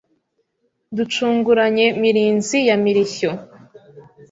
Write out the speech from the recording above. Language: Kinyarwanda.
Ducunguranye Mirinzi ya Mirishyo